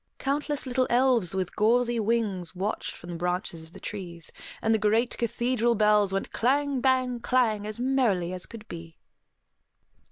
Countless little elves with gauzy wings watched from the branches of the trees; and the great cathedral bells went clang, bang, clang, as merrily as could be.